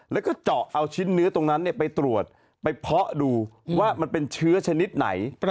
แล้วก็เจาะเอาชิ้นเนื้อตรงนั้นไปตรวจไปเพาะดูว่ามันเป็นเชื้อชนิดไหน